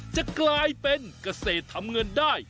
จะกลายเป็นเกษตรทำเงินได้